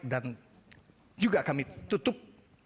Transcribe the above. dan juga kami tutup